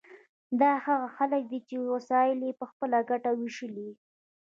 دا هغه خلک دي چې وسایل یې په خپله ګټه ویشلي.